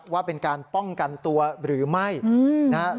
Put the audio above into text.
ว่าเป็นการป้องกันตัวหรือไม่นะครับ